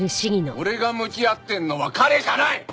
俺が向き合ってるのは彼じゃない。